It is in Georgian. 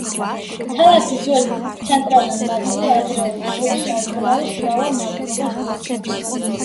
ქალაქის ძველი, ცენტრალური ნაწილი ადრეული შუა საუკუნეების მრავალ ნაგებობას მოიცავს.